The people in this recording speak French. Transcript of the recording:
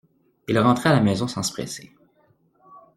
Il rentrait à la maison sans se presser.